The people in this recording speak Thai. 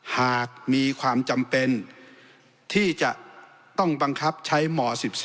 หากมีความจำเป็นที่จะต้องบังคับใช้หมอ๑๔